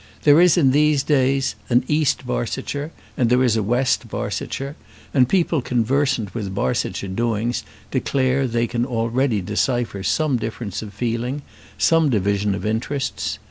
There is in these days an East Barsetshire, and there is a West Barsetshire; and people conversant with Barsetshire doings declare that they can already decipher some difference of feeling, some division of interests.